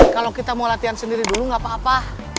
kalau kita mau latihan sendiri dulu gapapa